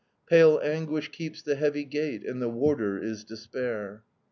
Pale Anguish keeps the heavy gate, And the Warder is Despair.